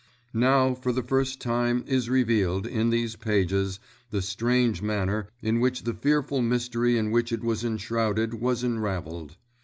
Now, for the first time is revealed, in these pages, the strange manner in which the fearful mystery in which it was enshrouded was unravelled.